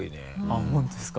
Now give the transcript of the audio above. あっ本当ですか？